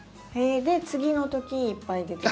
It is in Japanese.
で次のときいっぱい出てくる？